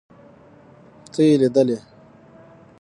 ته يې ليدلې.